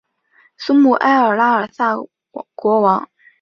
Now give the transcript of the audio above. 苏穆埃尔拉尔萨国王。